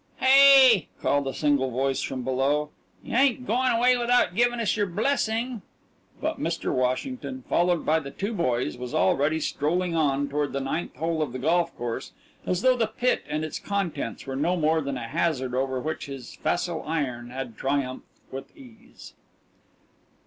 "Hey!" called a single voice from below, "you ain't goin' away without givin' us your blessing?" But Mr. Washington, followed by the two boys, was already strolling on toward the ninth hole of the golf course, as though the pit and its contents were no more than a hazard over which his facile iron had triumphed with ease.